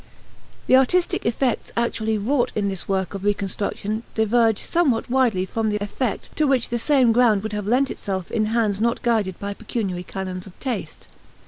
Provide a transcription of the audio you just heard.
The artistic effects actually wrought in this work of reconstruction diverge somewhat widely from the effect to which the same ground would have lent itself in hands not guided by pecuniary canons of taste.